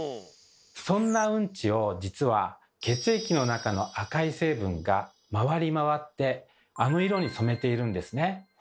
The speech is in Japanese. そんなうんちを実は血液の中の赤い成分が回り回ってあの色に染めているんですね。